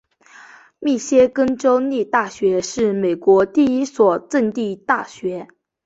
密歇根州立大学是美国第一所赠地大学。